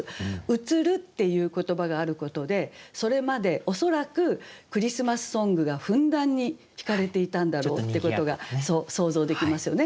「移る」っていう言葉があることでそれまで恐らくクリスマスソングがふんだんに弾かれていたんだろうってことが想像できますよね。